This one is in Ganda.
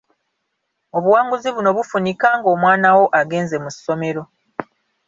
Obuwanguzi buno bufunika ng'omwanawo agenze mu ssomero.